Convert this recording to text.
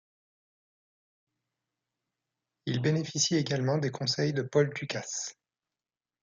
Il bénéficie également des conseils de Paul Dukas.